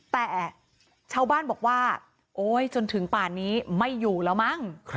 แต่ชาวบ้านบอกว่าโอ๊ยจนถึงป่านนี้ไม่อยู่แล้วมั้ง